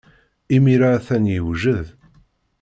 Imir-a, atan yewjed.